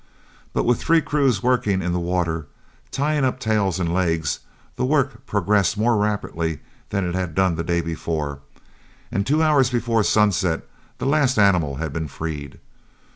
But with three crews working in the water, tying up tails and legs, the work progressed more rapidly than it had done the day before, and two hours before sunset the last animal had been freed.